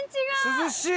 涼しい！